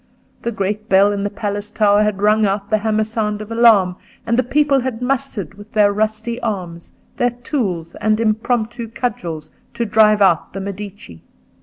The great bell in the palace tower had rung out the hammer sound of alarm, and the people had mustered with their rusty arms, their tools and impromptu cudgels, to drive out the Medici.